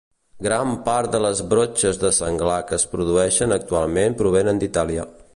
Gran part de les brotxes de senglar que es produeixen actualment provenen d'Itàlia.